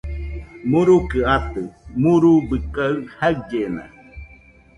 Murukɨ atɨ, murubɨ kaɨ jaɨllena